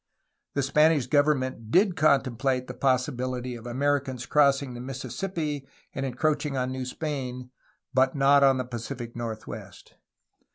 The Spanish government did contemplate the possibility of Americans crossing the Mississippi and encroach ing on New Spain, but not on the Pacific northwest.